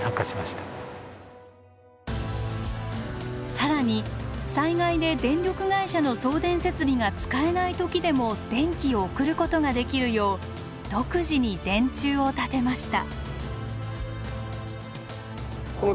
更に災害で電力会社の送電設備が使えない時でも電気を送ることができるよう独自に電柱を建てました。